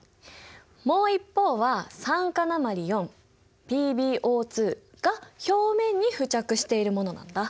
もう一方は酸化鉛ＰｂＯが表面に付着しているものなんだ。